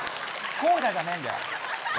こうだじゃねえんだよ。